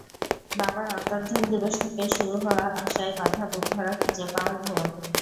বাবার অন্তর্ধান দিবস থেকে শুরু হওয়া আশায় বাঁধা বুকভরা খুঁজে পাওয়ার ঘোর।